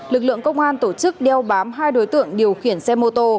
lực lượng công an tổ chức đeo bám hai đối tượng điều khiển xe mô tô